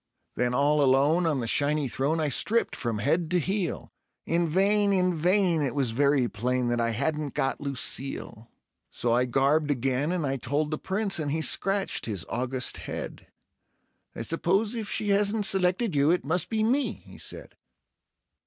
Then all alone on the shiny throne I stripped from head to heel; In vain, in vain; it was very plain that I hadn't got Lucille. So I garbed again, and I told the Prince, and he scratched his august head; "I suppose if she hasn't selected you, it must be me," he said.